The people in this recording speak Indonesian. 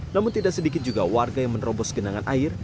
namun tidak sedikit juga warga yang menerobos genangan air